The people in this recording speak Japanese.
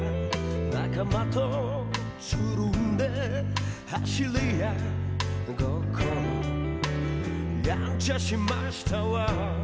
「仲間とつるんで走り屋ごっこ」「やんちゃしましたわ」